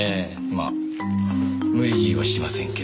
まあ無理強いはしませんけど。